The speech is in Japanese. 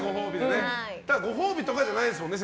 ご褒美とかじゃないですもんね。